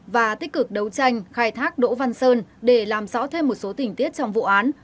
và tích cực đấu tranh khai thác đỗ văn sơn để làm rõ thêm một số tình tiết trong vụ án